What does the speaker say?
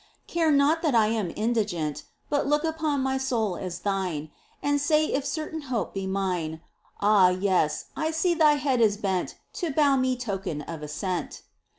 Care not that I am indigent, But look upon my soul as Thine, And say if certain hope be mine ! Ah yes ! I see Thy head is bent To bow me token of assent